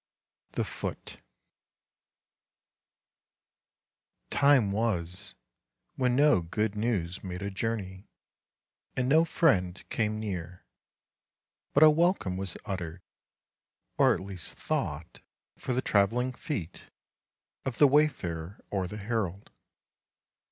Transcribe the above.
THE FOOT Time was when no good news made a journey, and no friend came near, but a welcome was uttered, or at least thought, for the travelling feet of the wayfarer or the herald.